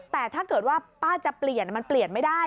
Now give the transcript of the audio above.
แต่ถ้าเกิดว่าป้าจะเปลี่ยนมันเปลี่ยนไม่ได้